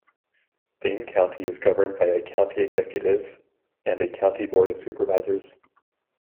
Dane County is governed by a county executive and a County Board of Supervisors.